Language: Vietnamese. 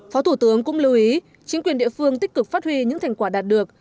phó thủ tướng cũng lưu ý chính quyền địa phương tích cực phát huy những thành quả đạt được